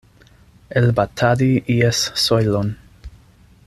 Elbatadi ies sojlon.